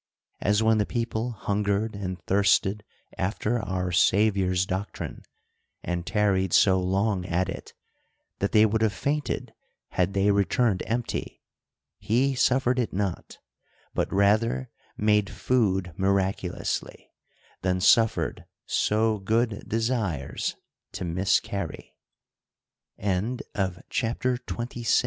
As when the people hungered and thirsted after our Saviour's doctrine, and tarried so long at it, that they would have fainted had they returned empty, he suf fered it not ; but rather made food miraculously, than suffered so good desires to m